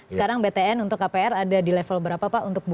sekarang btn untuk kpr ada di level berapa pak